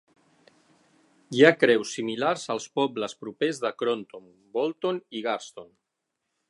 Hi ha creus similars als pobles propers de Cronton, Woolton i Garston.